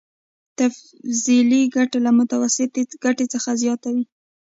تفضيلي ګټه له متوسطې ګټې څخه زیاته وي